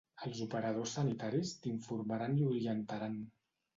Els operadors sanitaris t'informaran i orientaran.